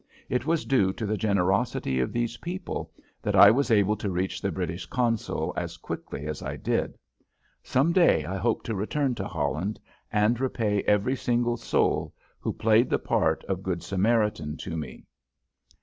It was due to the generosity of these people that I was able to reach the British consul as quickly as I did. Some day I hope to return to Holland and repay every single soul who played the part of Good Samaritan to me.